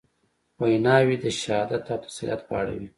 ویناوي د شهادت او تسلیت په اړه وې.